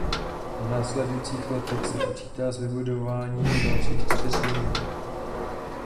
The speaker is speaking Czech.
V následujících letech se počítá s vybudováním dalších čtyř linek.